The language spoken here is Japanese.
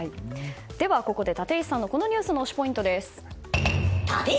では、ここで立石さんのこのニュースの推しポイントです。